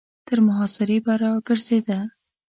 تر محاصرې به را ګرځېده.